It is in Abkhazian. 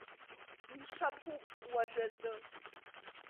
Мшаԥуп уажәазы.